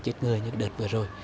chết người như đợt vừa rồi